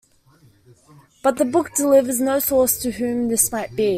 But the book delivers no source to whom this might be.